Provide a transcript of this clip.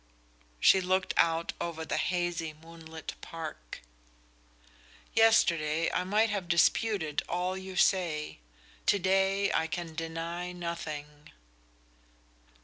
She looked out over the hazy, moonlit park. "Yesterday I might have disputed all you say; to day I can deny nothing."